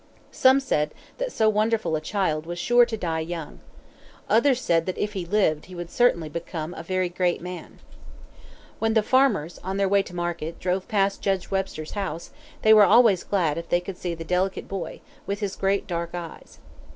Some said that so wonderful a child was sure to die young. Others said that if he lived he would certainly become a very great man. When the farmers, on their way to market, drove past Judge Webster's house, they were always glad if they could see the delicate boy, with his great dark eyes.